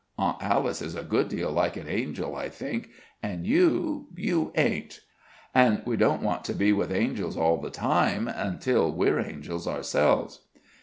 Aunt Alice is a good deal like an angel, I think, and you you ain't. An' we don't want to be with angels all the time until we're angels ourselves."